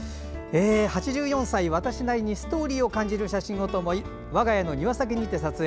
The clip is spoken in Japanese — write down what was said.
８４歳、私なりにストーリーを感じる写真だと思い我が家の庭先にて撮影。